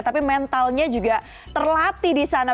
tapi mentalnya juga terlatih di sana